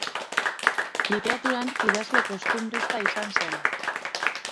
Literaturan idazle kostunbrista izan zen.